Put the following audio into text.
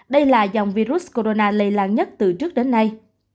đây là dòng virus corona lây lan nhất từ trước đến nay